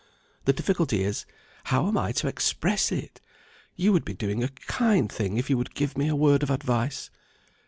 The difficulty is, how am I to express it? You would be doing a kind thing if you would give me a word of advice."